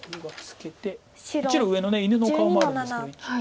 １路上の犬の顔もあるんですけど。